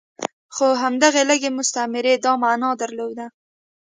خو همدغې لږې مستمرۍ دا معنی درلوده.